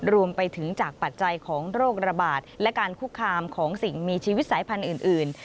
รวมไปถึงจากปัจจัยของโรคระบาดและการคุกคามของสิ่งมีชีวิตสายพันธุ์อื่น